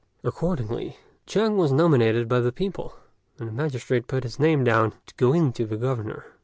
Accordingly, Chang was nominated by the people, and the magistrate put his name down to go in to the Governor.